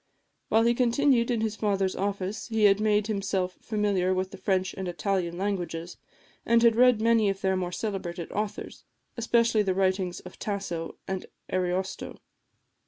While he continued in his father's office he had made himself familiar with the French and Italian languages, and had read many of their more celebrated authors, especially the writings of Tasso and Ariosto.